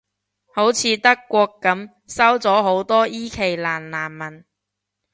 好似德國噉，收咗好多伊期蘭難民